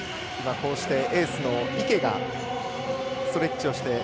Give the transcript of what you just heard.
こうしてエースの池がストレッチをして。